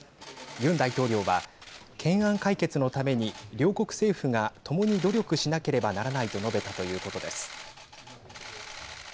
ユン大統領は懸案解決のために両国政府がともに努力しなければならないと述べたということです。